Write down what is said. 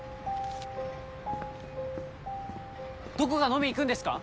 どこか飲み行くんですか？